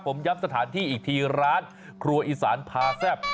ผมย้ำสถานที่อีกทีร้านครัวอีสานพาแซ่บ